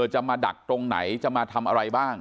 จะมาดักตรงไหนจะมาทำอะไรบ้าง